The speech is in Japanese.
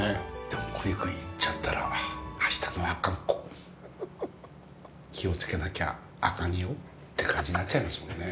でも、これいっちゃったらあしたの阿寒湖気をつけなきゃあかんよって感じになっちゃいますもんね。